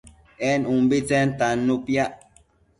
en umbitsen tannu piac